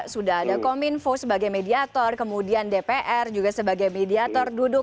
sudah ada kominfo sebagai mediator kemudian dpr juga sebagai mediator duduk